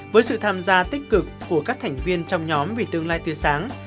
với sự tham gia tích cực của các thành viên trong nhóm vì tương lai tươi sáng